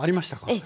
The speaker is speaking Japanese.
ええ。